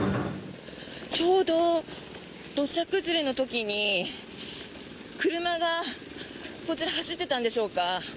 ちょうど土砂崩れの時に車がこちら、走ってたんでしょうか。